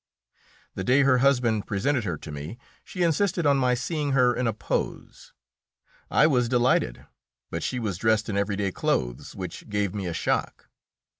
The day her husband presented her to me, she insisted on my seeing her in a pose. I was delighted, but she was dressed in every day clothes, which gave me a shock.